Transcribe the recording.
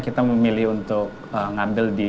kita memilih untuk ngambil di